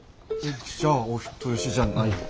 じゃあお人よしじゃないか。